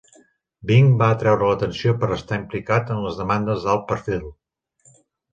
Bing va atreure l'atenció per estar implicat en demandes d'alt perfil.